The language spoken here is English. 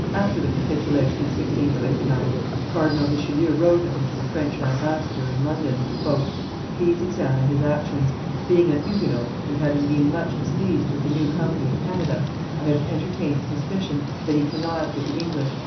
After the capitulation of 1629, Cardinal Richelieu wrote of him to the French ambassador in London: "Please examine his actions. Being a Huguenot, and having been much displeased with the new company of Canada, I have entertained a suspicion that he connived with the English.